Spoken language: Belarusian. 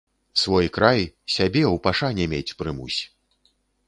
Свой край, сябе ў пашане мець прымусь.